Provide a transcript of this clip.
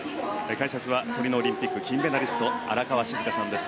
解説はトリノオリンピック金メダリスト荒川静香さんです。